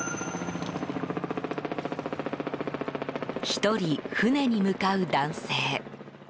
１人、船に向かう男性。